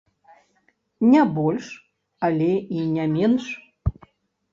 Не больш, але і не менш.